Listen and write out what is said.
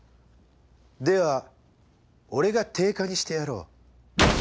では俺が定価にしてやろう。